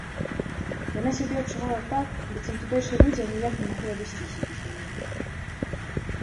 Яна сябе адчувала так, быццам тутэйшыя людзі аніяк не маглі абысціся без яе.